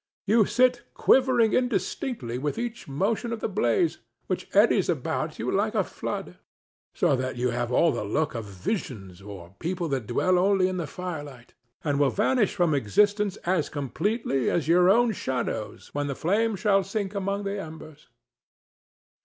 You sit quivering indistinctly with each motion of the blaze, which eddies about you like a flood; so that you all have the look of visions or people that dwell only in the firelight, and will vanish from existence as completely as your own shadows when the flame shall sink among the embers.